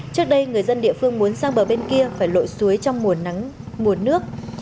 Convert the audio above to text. trước đây người dân địa phương muốn sang bờ bên kia phải lội suối trong mùa nước